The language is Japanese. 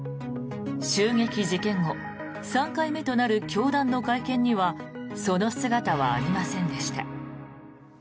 襲撃事件後、３回目となる教団の会見にはその姿はありませんでした。